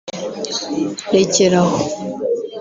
“rekeraho